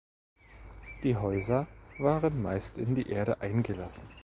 Die Häuser waren meist in die Erde eingelassen.